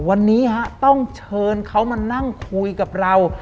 วันนี้ต้องเชิญเขามานั่งคุยกับเรา